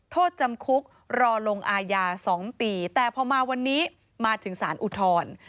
โทษจำคุกรอลงอาญา๒ปีแต่พอมาวันนี้มาถึงสารอุทธรณ์